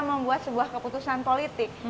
membuat sebuah keputusan politik